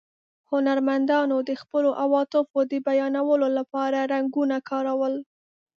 هنرمندانو د خپلو عواطفو د بیانولو له پاره رنګونه کارول.